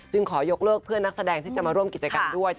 ขอยกเลิกเพื่อนนักแสดงที่จะมาร่วมกิจกรรมด้วย